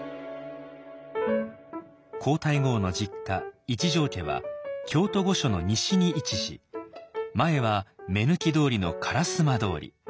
皇太后の実家一条家は京都御所の西に位置し前は目抜き通りの烏丸通り。